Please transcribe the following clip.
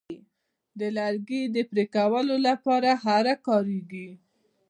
د لرګي د پرې کولو لپاره آره کاریږي.